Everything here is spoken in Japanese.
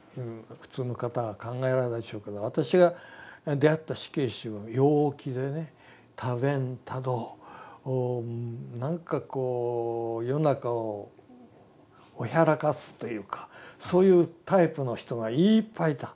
普通の方は考えられるでしょうけど私が出会った死刑囚は陽気でね多弁多動なんかこう世の中をおひゃらかすというかそういうタイプの人がいっぱいいた。